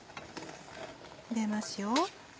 入れますよ。